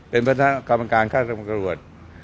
เป็นประธานกรรมการค่าสำรวจ